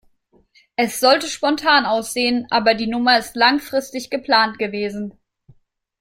Es sollte spontan aussehen, aber die Nummer ist langfristig geplant gewesen.